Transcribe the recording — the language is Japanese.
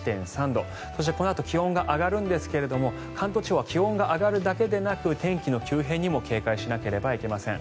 そして、このあと気温が上がるんですが関東地方は気温が上がるだけではなく天気の急変にも警戒しなければいけません。